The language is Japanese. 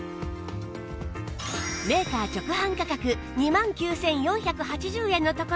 メーカー直販価格２万９４８０円のところ